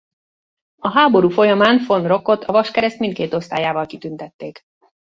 A háború folyamán von Roques-ot a Vaskereszt mindkét osztályával kitüntették.